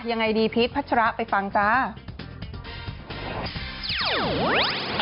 ยังไงดีพีชพัชระไปฟังจ้า